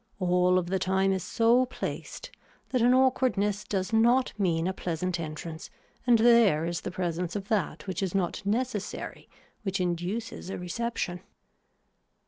All of the time is so placed that an awkwardness does not mean a pleasant entrance and there is the presence of that which is not necessary which induces a reception.